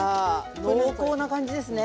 濃厚な感じですね